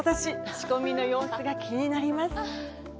仕込みの様子が気になります。